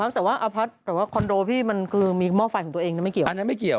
นี่คือหอพักแต่ว่าคอนโดพี่มีมอบไฟของตัวเองมันไม่เกี่ยว